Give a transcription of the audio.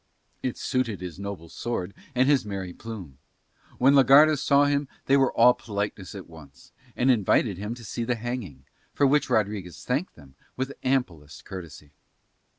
It suited his noble sword and his merry plume. When la Garda saw him they were all politeness at once, and invited him to see the hanging, for which Rodriguez thanked them with amplest courtesy.